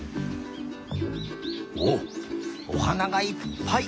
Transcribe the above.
おっおはながいっぱい！